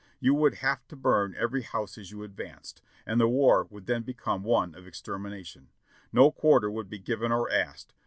You would have to burn every house as you advanced, and the war would then become one of extermination. No quar ter would be given or asked.